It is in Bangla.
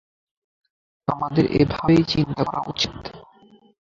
আমাদের এভাবেই চিন্তা করা উচিত।